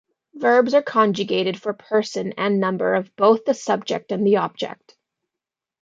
Verbs are conjugated for person and number of both the subject and the object.